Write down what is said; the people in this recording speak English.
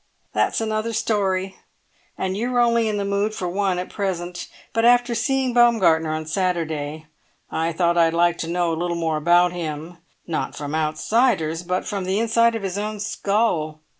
That's another story, and you're only in the mood for one at present; but after seeing Baumgartner on Saturday, I thought I'd like to know a little more about him, not from outsiders but from the inside of his own skull.